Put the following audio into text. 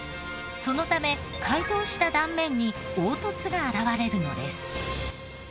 そのため解凍した断面に凹凸が現われるのです。